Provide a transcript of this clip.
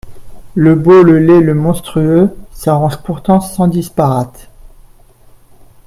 Le beau, le laid, le monstrueux, s'arrangent pourtant sans disparate.